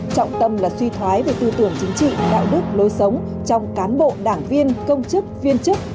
trọng tâm là suy thoái về tư tưởng chính trị đạo đức lối sống trong cán bộ đảng viên công chức viên chức